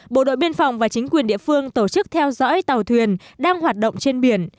bộ đội biên phòng và chính quyền địa phương tổ chức theo dõi tàu thuyền đang hoạt động trên biển